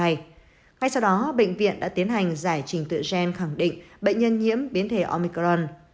ngay sau đó bệnh viện đã tiến hành giải trình tự gen khẳng định bệnh nhân nhiễm biến thể omicron